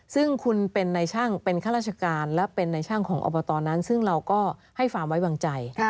ซึ่งคุณเป็นในช่างเป็นข้าราชการและเป็นในช่างของอบตนั้นซึ่งเราก็ให้ความไว้วางใจ